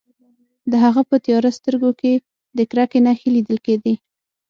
د هغه په تیاره سترګو کې د کرکې نښې لیدل کیدې